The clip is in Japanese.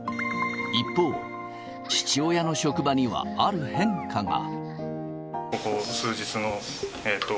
一方、父親の職場にはある変化が。